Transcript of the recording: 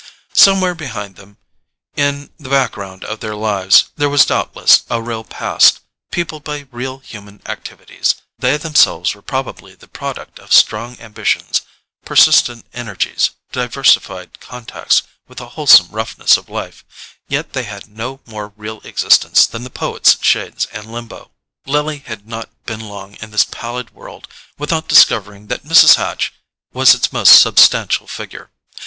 Somewhere behind them, in the background of their lives, there was doubtless a real past, peopled by real human activities: they themselves were probably the product of strong ambitions, persistent energies, diversified contacts with the wholesome roughness of life; yet they had no more real existence than the poet's shades in limbo. Lily had not been long in this pallid world without discovering that Mrs. Hatch was its most substantial figure.